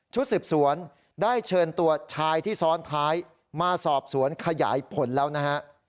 สืบสวนได้เชิญตัวชายที่ซ้อนท้ายมาสอบสวนขยายผลแล้วนะฮะ